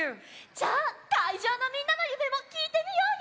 じゃあかいじょうのみんなのゆめもきいてみようよ！